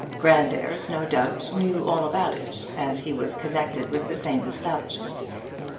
Grandairs, no doubt, knew all about it, as he was connected with the same establishment.